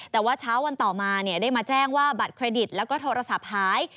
แต่ว่าเช้าวันต่อมาได้มาแจ้งว่าบัตรเครดิตแล้วก็โทรศัพท์หาย